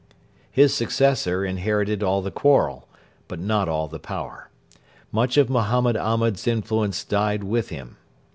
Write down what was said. His successor inherited all the quarrel, but not all the power. Much of Mohammed Ahmed's influence died with him.